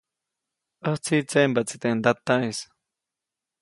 ʼÄjtsi tseʼmbaʼtsi teʼ ntataʼis.